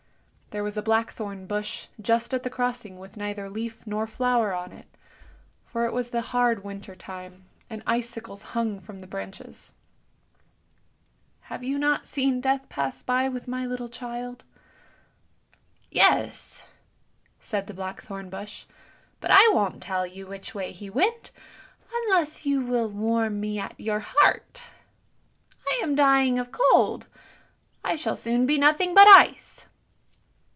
There was a blackthorn bush just at the crossing with neither leaf nor flower on it, for it was the hard winter time, and icicles hung from the branches. " Have you not seen Death pass by with my little child? " "Yes," said the blackthorn bush; "but I won't tell you which way he went unless you will warm me at your heart. I am dying of cold; I shall soon be nothing but ice."